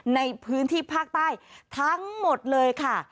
ในพื้นที่ภาคใต้ทั้งหมดเลยค่ะ